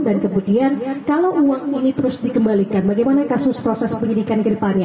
dan kemudian kalau uang ini terus dikembalikan bagaimana kasus proses penyelidikan ke depannya